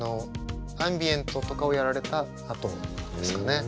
アンビエントとかをやられたあとですかね。